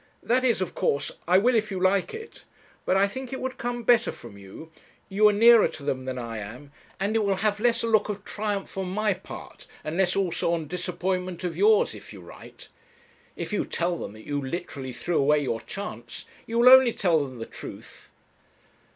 'That is, of course, I will if you like it. But I think it would come better from you. You are nearer to them than I am; and it will have less a look of triumph on my part, and less also of disappointment on yours, if you write. If you tell them that you literally threw away your chance, you will only tell them the truth.'